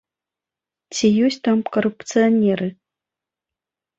Ці ёсць там карупцыянеры?